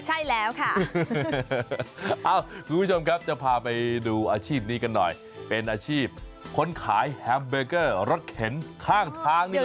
ใช่แล้วค่ะคุณผู้ชมครับจะพาไปดูอาชีพนี้กันหน่อยเป็นอาชีพคนขายแฮมเบอร์เกอร์รถเข็นข้างทางนี่แหละ